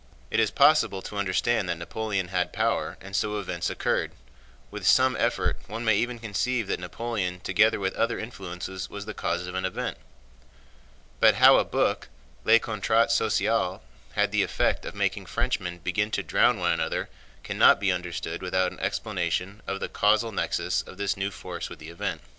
It is possible to understand that Napoleon had power and so events occurred; with some effort one may even conceive that Napoleon together with other influences was the cause of an event; but how a book, Le Contrat Social, had the effect of making Frenchmen begin to drown one another cannot be understood without an explanation of the causal nexus of this new force with the event.